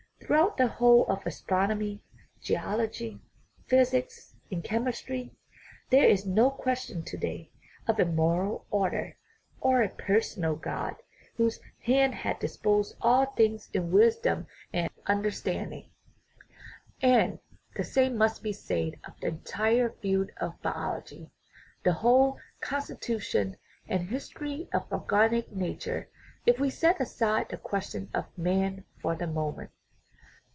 Throughout the whole of astronomy, geology, physics, and chemistry there is no question to day of a " moral order," or a personal God, whose " hand hath disposed all things in wisdom and 19 269 THE RIDDLE OF THE UNIVERSE understanding." And the same must be said of the entire field of biology, the whole constitution and his tory of organic nature, if we set aside the question of man for the moment.